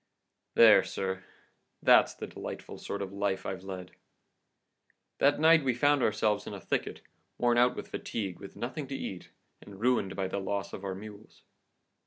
"There, sir; that's the delightful sort of life I've led! That night we found ourselves in a thicket, worn out with fatigue, with nothing to eat, and ruined by the loss of our mules.